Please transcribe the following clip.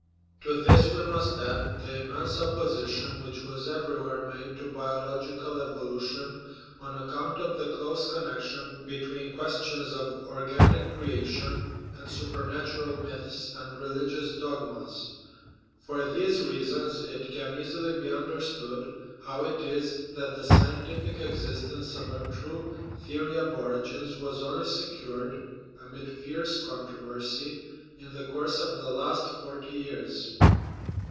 To this we must add the immense opposition which was everywhere made to biological evolution on account of the close connection between questions of organic creation and supernatural myths and religious dogmas. For these reasons it can easily be under stood how it is that the scientific existence of a true the ory of origins was only secured, amid fierce controversy, in the course of the last forty years.